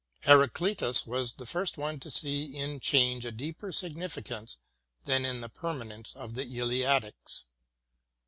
Heraclitus was the first one to see in change a deeper significance than in the permanence of the Eleatics.